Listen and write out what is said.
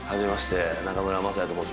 中村昌也と申します。